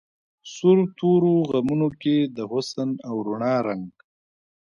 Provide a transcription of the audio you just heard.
سور تورو غمونو کی د حسن او رڼا رنګ